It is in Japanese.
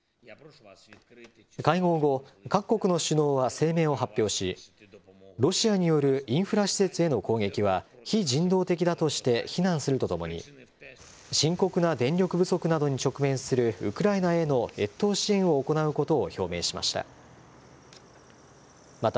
会合後、各国の首脳は声明を発表し、ロシアによるインフラ施設への攻撃は、非人道的だとして非難するとともに、深刻な電力不足などに直面する、ウクライナへの越冬支援を行うことを表明しました。